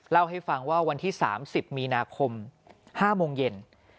เล่าให้ฟังว่าวันที่๓๐มีนาคม๕โมงเย็น